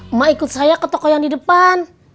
emak ikut saya ke toko yang di depan